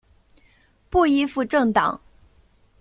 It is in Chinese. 不依附政党！